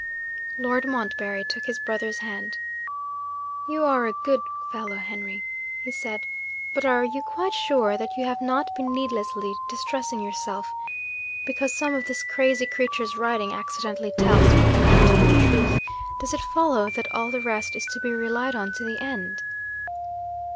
Lord Montbarry took his brother's hand. 'You are a good fellow, Henry,' he said; 'but are you quite sure that you have not been needlessly distressing yourself? Because some of this crazy creature's writing accidentally tells what we know to be the truth, does it follow that all the rest is to be relied on to the end?'